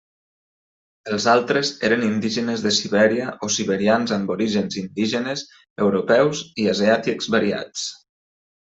Els altres eren indígenes de Sibèria o siberians amb orígens indígenes, europeus i asiàtics variats.